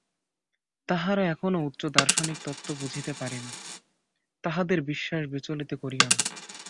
তাহারা এখনও উচ্চ দার্শনিক তত্ত্ব বুঝিতে পারে না, তাহাদের বিশ্বাস বিচলিত করিও না।